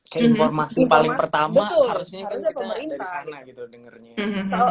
kayak informasi paling pertama harusnya kan sih kemarin dari sana gitu dengernya